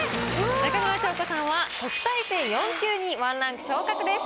中川翔子さんは特待生４級に１ランク昇格です。